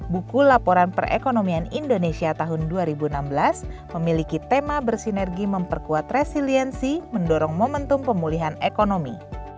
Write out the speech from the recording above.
buku laporan perekonomian indonesia tahun dua ribu enam belas memiliki tema bersinergi memperkuat resiliensi mendorong momentum pemulihan ekonomi